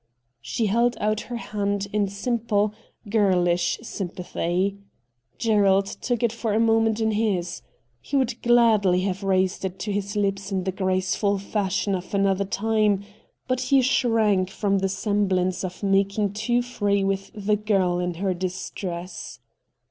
She held out her hand in simple, girlish sympathy. Gerald took it for a moment in his. Ee would gladly have raised it to his THE CULTURE COLLEGE 185 lips in the graceful fashion of another time, but he shrank from the semblance of making too free with the girl in her distress.